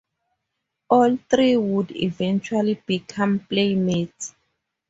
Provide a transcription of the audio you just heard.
All three would eventually become Playmates.